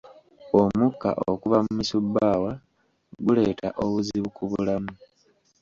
Omukka okuva mu misubbaawa guleeta obuzibu ku bulamu.